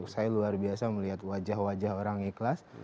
saya luar biasa melihat wajah wajah orang ikhlas